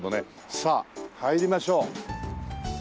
さあ入りましょう。